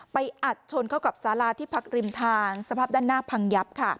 อัดชนเข้ากับสาราที่พักริมทางสภาพด้านหน้าพังยับค่ะ